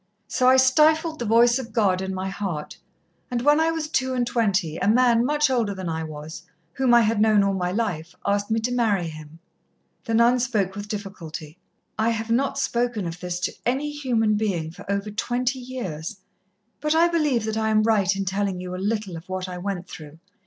So I stifled the voice of God in my heart, and when I was two and twenty, a man much older than I was, whom I had known all my life, asked me to marry him." The nun spoke with difficulty. "I have not spoken of this to any human being for over twenty years, but I believe that I am right in telling you a little of what I went through.